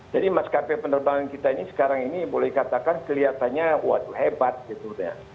jadi mas kp penerbangan kita ini sekarang ini boleh dikatakan kelihatannya hebat gitu ya